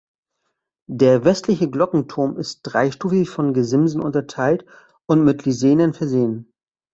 Der westliche Glockenturm ist dreistufig von Gesimsen unterteilt und mit Lisenen versehen.